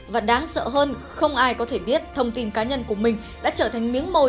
và đáng sợ hơn không ai có thể biết thông tin cá nhân của mình đã trở thành miếng mồi